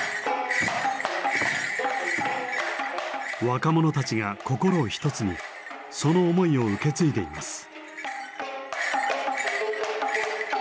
若者たちが心を一つにその思いを受け継いでいます。